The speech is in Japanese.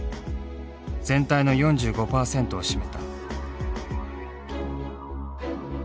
全体の４５％を占めた。